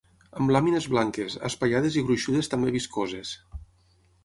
Amb làmines blanques, espaiades i gruixudes també viscoses.